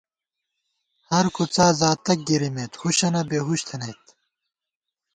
ہر کُڅا زاتَک گِرِمېت ہُشَنہ بےہُش تھنَئیت